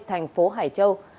thành phố hải châu